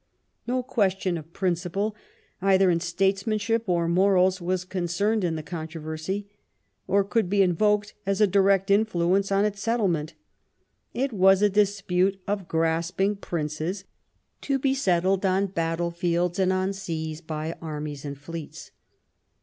No ques tion of principle either in statesmanship or morals was concerned in the controversy, or could be invoked as a direct influence in its settlement. It was a dispute of grasping princes, to be settled on battle fields and on seas by armies and fleets.